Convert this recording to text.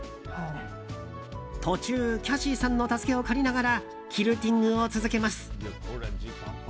途中、キャシーさんの助けを借りながらキルティングを続けます。